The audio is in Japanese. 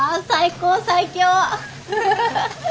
最高最強！